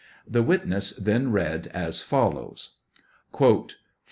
The witness then read, as follows : IV.